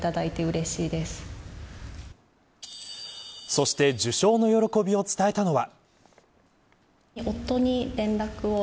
そして受賞の喜びを伝えたのは。